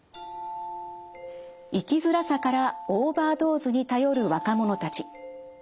生きづらさからオーバードーズに頼る若者たち。